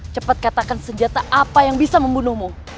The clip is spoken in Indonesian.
cepat katakan senjata apa yang bisa membunuhmu